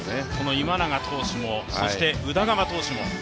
今永投手も、そして宇田川投手も。